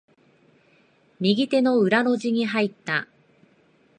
右手の裏路地に入った。